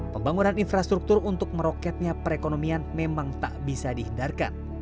pembangunan infrastruktur untuk meroketnya perekonomian memang tak bisa dihindarkan